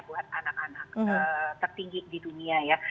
buat anak anak tertinggi di dunia ya